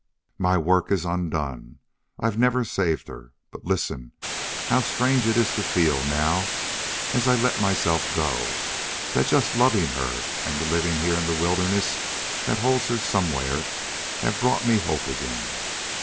My work is undone I've never saved her. But listen, how strange it is to feel now as I let myself go that just the loving her and the living here in the wildness that holds her somewhere have brought me hope again.